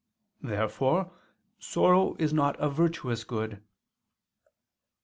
Therefore sorrow is not a virtuous good.